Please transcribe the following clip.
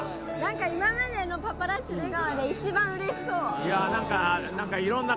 今までの「パパラッチ出川」で一番うれしそう。